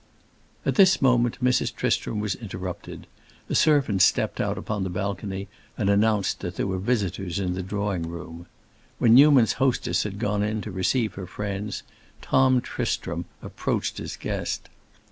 At this moment Mrs. Tristram was interrupted; a servant stepped out upon the balcony and announced that there were visitors in the drawing room. When Newman's hostess had gone in to receive her friends, Tom Tristram approached his guest.